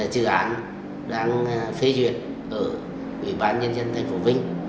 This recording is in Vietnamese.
dự án đang phê duyệt ở ủy ban nhân dân thành phố vinh